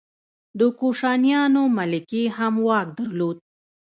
د کوشانیانو ملکې هم واک درلود